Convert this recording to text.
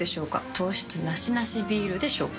糖質ナシナシビールでしょうか？